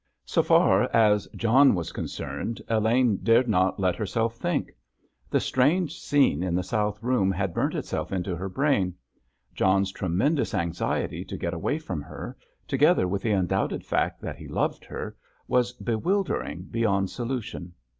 So far as John was concerned, Elaine dared not let herself think. The strange scene in the south room had burnt itself into her brain. John's tremendous anxiety to get away from her, together with the undoubted fact that he loved her, was bewildering beyond solution.